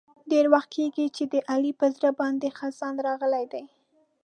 ډېر وخت کېږي چې د علي په زړه باندې خزان راغلی دی.